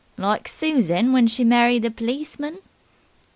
"Like Susan when she married the pleeceman."